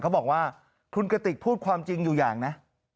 เขาบอกว่าคุณกติกพูดความจริงอยู่อย่างนะ